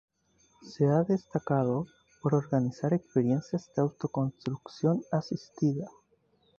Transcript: Se ha destacado por organizar experiencias de autoconstrucción asistida.